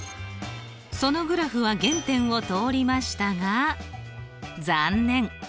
そのグラフは原点を通りましたが残念。